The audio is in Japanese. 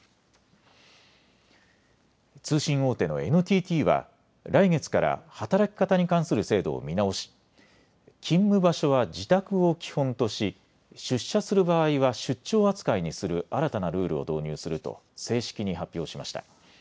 通信大手のＮＴＴは来月から働き方に関する制度を見直し、勤務場所は自宅を基本とし出社する場合は出張扱いにする新たなルールを導入すると正式に発表しました。